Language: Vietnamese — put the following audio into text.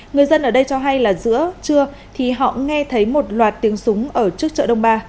người dân ở đây cho hay là giữa trưa thì họ nghe thấy một loạt tiếng súng ở trước chợ đông ba